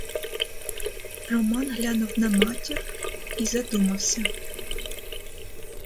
Роман глянув на матір і задумався.